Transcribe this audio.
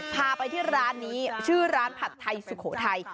พาไปที่ร้านนี้ชื่อร้านผัดไทยสุโขทัย